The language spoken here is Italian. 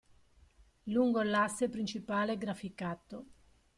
Lungo l'asse principale graficato.